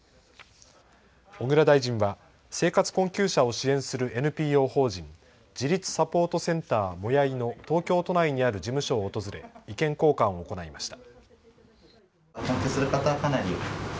小倉大臣は生活困窮者を支援するＮＰＯ法人自立サポートセンター・もやいの東京都内にある事務所を訪れ意見交換を行いました。